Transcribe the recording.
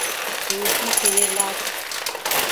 Keyifli seyirler…